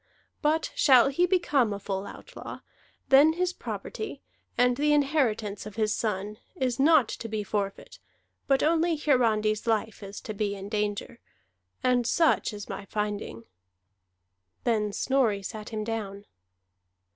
But shall he become a full outlaw, then his property, and the inheritance of his son, is not to be forfeit, but only Hiarandi's life is to be in danger. And such is my finding." Then Snorri sat him down.